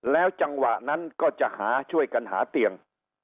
แล้วจังหวะนั้นก็จะหาช่วยกันหาเตียง